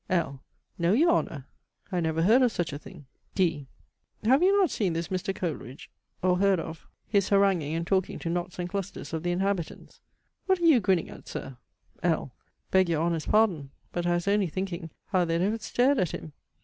L. No, your Honour! I never heard of such a thing. D. Have you not seen this Mr. Coleridge, or heard of, his haranguing and talking to knots and clusters of the inhabitants? What are you grinning at, Sir? L. Beg your Honour's pardon! but I was only thinking, how they'd have stared at him.